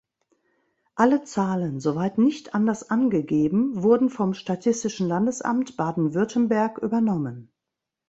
Alle Zahlen, soweit nicht anders angegeben, wurden vom Statistischen Landesamt Baden-Württemberg übernommen.